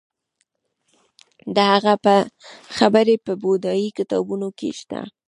د هغه خبرې په بودايي کتابونو کې شته